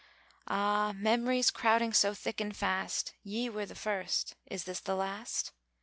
Ah, memories crowding so thick and fast, Ye were the first; is this the last?